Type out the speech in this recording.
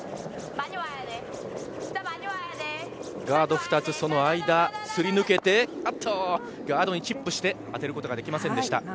ガード２つその間、すり抜けてガードにチップして当てることができませんでした。